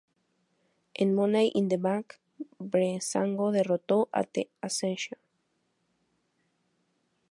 En Money in the Bank, Breezango derroto a The Ascension.